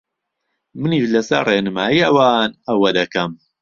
منیش لەسەر ڕێنمایی ئەوان ئەوە دەکەم